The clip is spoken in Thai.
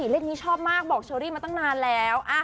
เลขนี้ชอบมากบอกเชอรี่มาตั้งนานแล้ว